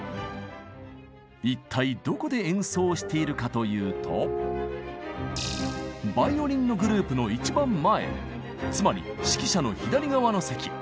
一体どこで演奏しているかというとバイオリンのグループの一番前つまり指揮者の左側の席。